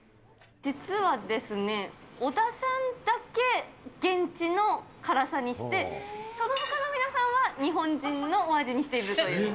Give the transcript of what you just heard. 実はですね、小田さんだけ現地の辛さにして、そのほかの皆さんは日本人のお味にしているという。